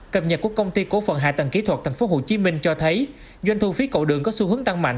cập nhật của công ty cổ phận hạ tầng kỹ thuật tp hcm cho thấy doanh thu phí cậu đường có xu hướng tăng mạnh